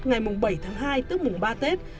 ngày bảy tháng hai tức mùng ba tết